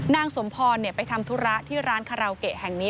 นางสมพรไปทำธุระที่ร้านคาราโอเกะแห่งนี้